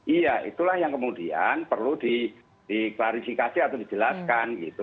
iya itulah yang kemudian perlu diklarifikasi atau dijelaskan gitu